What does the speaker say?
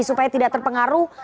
supaya tidak terpengaruh